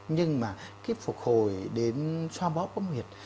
nhưng mà phục hồi đến xoa bóp bấm huyệt